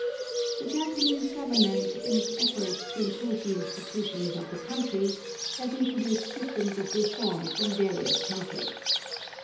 The Japanese Government, in its efforts to improve the institutions of the country, has introduced systems of reform from various countries.